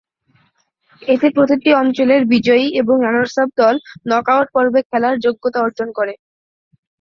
এতে প্রতিটি অঞ্চলের বিজয়ী এবং রানার্স আপ দল নকআউট পর্বে খেলার যোগ্যতা অর্জন করে।